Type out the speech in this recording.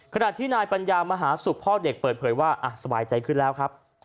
ขณะที่นายปัญญามหาศุกร์พ่อเด็กเปิดเผยว่าสบายใจขึ้นแล้วครับ